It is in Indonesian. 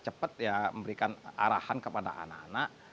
cepat ya memberikan arahan kepada anak anak